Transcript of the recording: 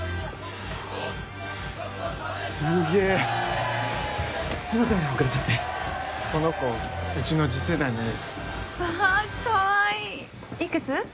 うわっすげえすいません遅れちゃってこの子うちの次世代のエースわあっかわいいいくつ？